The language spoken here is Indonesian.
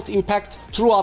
sepanjang seluruh kisah